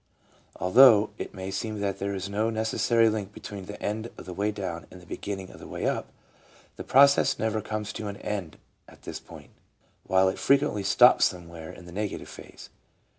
Al though it may seem that there is no necessary link between the end of the way down and the beginning of the way up, the process never comes to an end at this point, while it frequently stops somewhere in the negative phase.